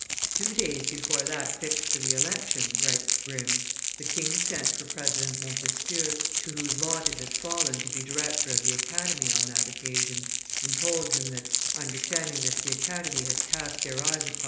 "Two days before that fixed for the election," writes Grimm, "the king sent for President Montesquieu, to whose lot it had fallen to be director of the Academy on that occasion, and told him that, understanding that the Academy had cast their eyes upon M.